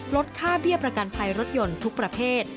ลดค่าเบี้ยประกันภัยรถยนต์ทุกประเภท